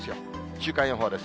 週間予報です。